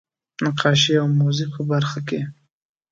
نقاشۍ او موزیک په برخه کې.